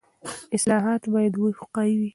اصلاحات باید واقعي وي.